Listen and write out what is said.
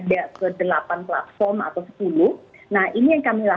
terjelas pinjaman online yang cukup banyak ya